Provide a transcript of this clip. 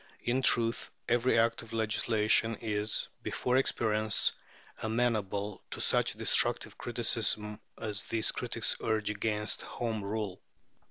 In truth, every act of legislation is, before experience, amenable to such destructive criticism as these critics urge against Home Rule.